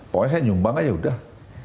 pokoknya saya nyumbang aja udah